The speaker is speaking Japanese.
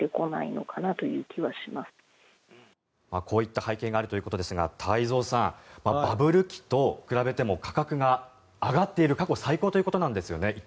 こういった背景があるということですが太蔵さん、バブル期と比べても価格が上がっている過去最高ということなんですね。